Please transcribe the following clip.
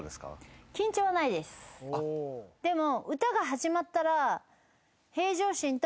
でも。